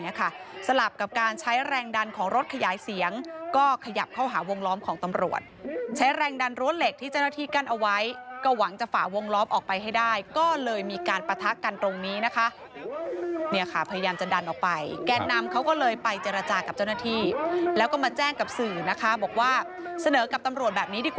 สลับกับการใช้แรงดันของรถขยายเสียงก็ขยับเข้าหาวงล้อมของตำรวจใช้แรงดันรั้วเหล็กที่เจ้าหน้าที่กั้นเอาไว้ก็หวังจะฝ่าวงล้อมออกไปให้ได้ก็เลยมีการปะทะกันตรงนี้นะคะเนี่ยค่ะพยายามจะดันออกไปแกนนำเขาก็เลยไปเจรจากับเจ้าหน้าที่แล้วก็มาแจ้งกับสื่อนะคะบอกว่าเสนอกับตำรวจแบบนี้ดีกว่า